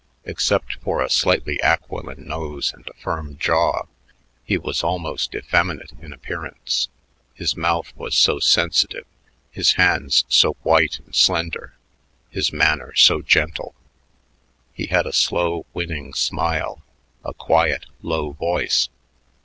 Except for a slightly aquiline nose and a firm jaw, he was almost effeminate in appearance, his mouth was so sensitive, his hands so white and slender, his manner so gentle. He had a slow, winning smile, a quiet, low voice.